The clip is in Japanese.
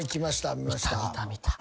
見た見た見た。